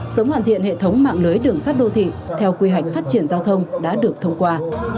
sớm hoàn thiện hệ thống mạng lưới đường sắt đô thị theo quy hoạch phát triển giao thông đã được thông qua